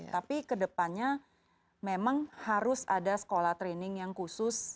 tapi kedepannya memang harus ada sekolah training yang khusus